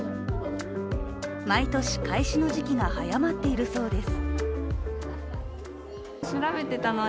毎年開始の時期が早まっているそうです。